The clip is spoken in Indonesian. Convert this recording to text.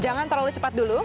jangan terlalu cepat dulu